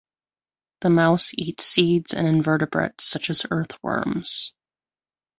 The mouse eats seeds and invertebrates such as earthworms.